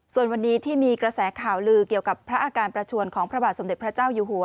ส่วนวันนี้ที่มีกระแสข่าวลือเกี่ยวกับพระอาการประชวนของพระบาทสมเด็จพระเจ้าอยู่หัว